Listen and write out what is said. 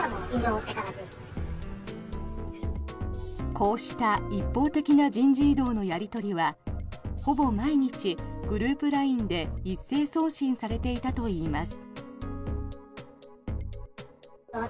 こうした一方的な人事異動のやり取りはほぼ毎日、グループＬＩＮＥで一斉送信されていたといいます。